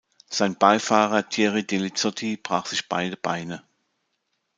Sein Beifahrer Thierry Delli-Zotti brach sich beide Beine.